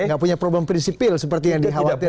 nggak punya problem prinsipil seperti yang dikhawatirkan